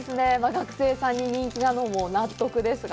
学生さんに人気なのも納得でした。